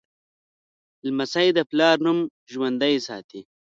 لمسی د پلار نوم ژوندی ساتي.